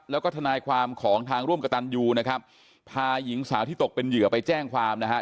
แล้วก็ทนายความของทางร่วมกระตันยูนะครับพาหญิงสาวที่ตกเป็นเหยื่อไปแจ้งความนะครับ